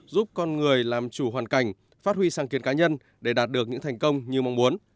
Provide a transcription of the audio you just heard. giúp con người làm chủ hoàn cảnh phát huy sáng kiến cá nhân để đạt được những thành công như mong muốn